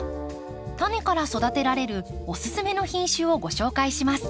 タネから育てられるおすすめの品種をご紹介します。